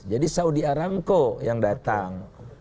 jadi saudi aramco yang datang